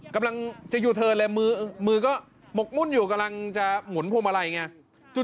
กำลังจะอยู่เถินเลยมือก็หมกมุ่นอยู่เขากำลังจะหมุนพวงมาลัยอย่างเนี้ย